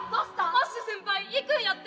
アッシュ先輩行くんやって。